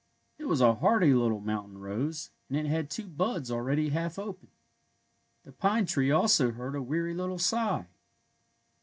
It was a hardy little mountain rose, and it had two buds already half open. The pine tree also heard a weary Little sigh.